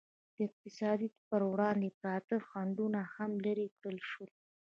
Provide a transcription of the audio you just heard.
د اقتصاد پر وړاندې پراته خنډونه هم لرې کړل شول.